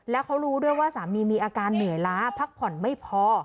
แล้วเขารู้ด้วยว่าสามีมีอาการเหนื่อยล้าพักผ่อนไม่พอ